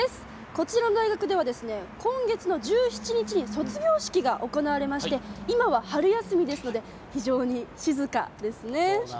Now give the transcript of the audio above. こちらの大学では今月の１７日に卒業式が行われまして今は、春休みですので非常に静かですね。